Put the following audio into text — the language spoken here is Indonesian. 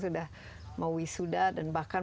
sudah mau wisuda dan bahkan